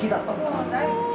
そうなの大好き。